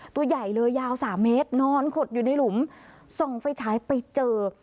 ตัวใหญ่เลยยาว๓เมตรนอนขดอยู่ในหลุมส่องไฟฉายไปเจอ